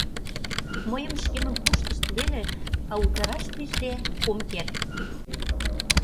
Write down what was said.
Мыйым шкемым пуштышт веле, а утараш пижде ом керт.